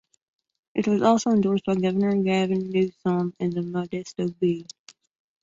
It was also endorsed by governor Gavin Newsom and "The Modesto Bee".